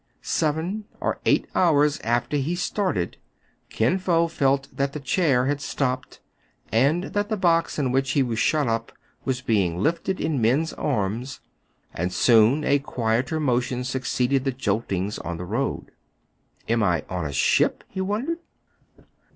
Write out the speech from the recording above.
Seven or eight hours after he started, Kin Fo WHICH THE READER MIGHT HA VE WRITTEN. 265 felt that the chair had stopped, and that the box in which he was shut up was being lifted in men's arms; and soon a quieter motion succeeded the joltings on the road. Am I on a ship ?" he wondered.